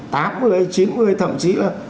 tám mươi chín mươi thậm chí là